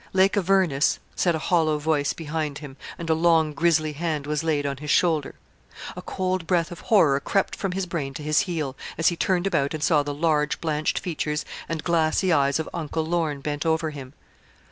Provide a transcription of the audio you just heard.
'Lake Avernus,' said a hollow voice behind him, and a long grisly hand was laid on his shoulder. A cold breath of horror crept from his brain to his heel, as he turned about and saw the large, blanched features and glassy eyes of Uncle Lorne bent over him.